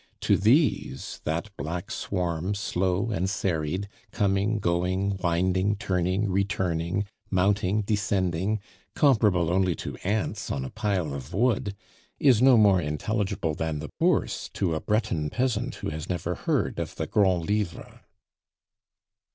To these, that black swarm, slow and serried coming, going, winding, turning, returning, mounting, descending, comparable only to ants on a pile of wood is no more intelligible than the Bourse to a Breton peasant who has never heard of the Grand livre.